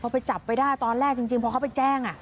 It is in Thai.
พอไปจับไปได้ตอนแรกจริงพอเขาไปแจ้ง